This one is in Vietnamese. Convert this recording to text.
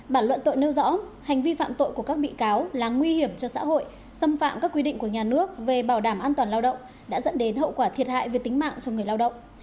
bản luận tội nêu rõ hành vi phạm tội của các bị cáo là nguy hiểm cho xã hội xâm phạm các quy định của nhà nước về bảo đảm an toàn lao động đã dẫn đến hậu quả thiệt hại về tính mạng cho người lao động